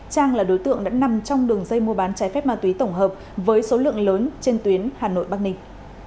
trang là đối tượng đã nằm trong đường dây mua bán trái phép ma túy tổng hợp với số lượng lớn trên tuyến hà nội bắc ninh